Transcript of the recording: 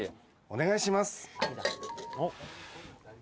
「お願いします。